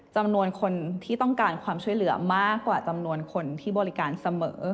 จำนวนคนที่ต้องการความช่วยเหลือมากกว่าจำนวนคนที่บริการเสมอ